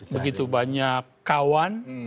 begitu banyak kawan